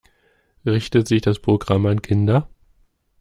Richtet sich das Programm an Kinder?